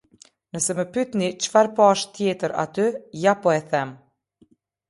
Nëse më pyetni çfarë pashë tjetër aty, ja po e them.